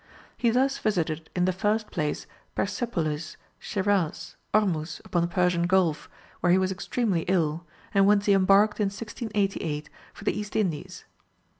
He thus visited in the first place Persepolis, Shiraz, Ormuz upon the Persian Gulf, where he was extremely ill, and whence he embarked in 1688 for the East Indies.